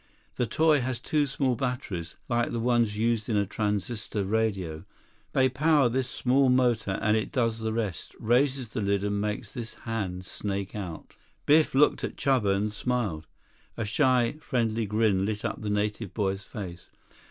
The toy has two small batteries, like the ones used in a transistor radio. They power this small motor, and it does the rest. Raises the lid and makes this hand snake out." Biff looked at Chuba and smiled. A shy, friendly grin lit up the native boy's face.